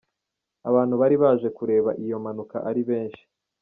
Abantu bari baje kureba iyo mpanuka ari benshi.